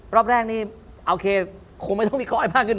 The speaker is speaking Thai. รอบแรกนี่โอเคคงไม่ต้องวิเคราะห์ให้มากขึ้น